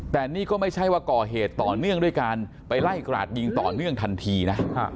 แต่นี่ก็ไม่ใช่ว่าก่อเหตุต่อเนื่องด้วยการไปไล่กราดยิงต่อเนื่องทันทีนะ